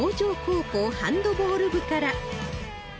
高校ハンドボール部から